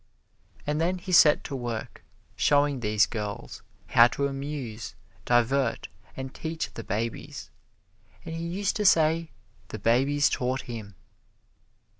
And then he set to work showing these girls how to amuse, divert and teach the babies. And he used to say the babies taught him.